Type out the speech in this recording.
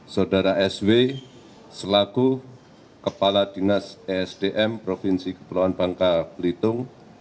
saudara sw selaku kepala dinas esdm provinsi kepulauan bangka belitung